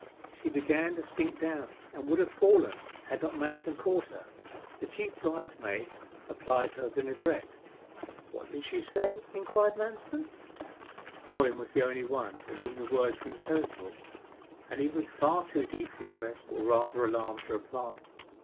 She began to sink down, and would have fallen had not Manston caught her. The chief bridesmaid applied her vinaigrette. 'What did she say?' inquired Manston. Owen was the only one to whom the words were intelligible, and he was far too deeply impressed, or rather alarmed, to reply.